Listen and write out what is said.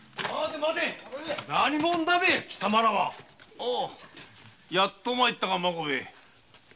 おうやっと参ったか孫兵衛。